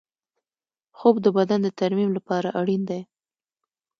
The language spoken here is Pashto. خوب د بدن د ترمیم لپاره اړین دی